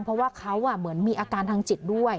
เพราะว่าเขาเหมือนมีอาการทางจิตด้วย